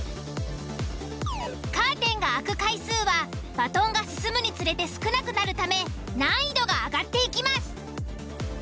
カーテンが開く回数はバトンが進むにつれて少なくなるため難易度が上がっていきます。